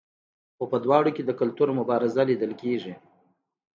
خو په دواړو کې د کلتور مبارزه لیدل کیږي.